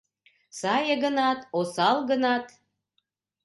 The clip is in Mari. Сае гынат, осал гынат